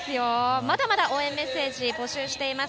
まだまだ応援メッセージ募集しています。